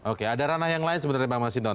oke ada ranah yang lain sebenarnya pak mas indra